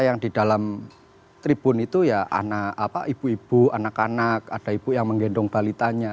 yang di dalam tribun itu ya anak ibu ibu anak anak ada ibu yang menggendong balitanya